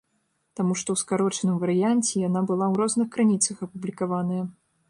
Таму што ў скарочаным варыянце яна была ў розных крыніцах апублікаваная.